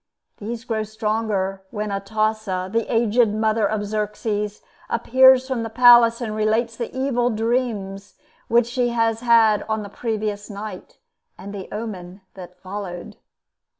These grow stronger when Atossa, the aged mother of Xerxes, appears from the palace and relates the evil dreams which she has had on the previous night, and the omen that followed.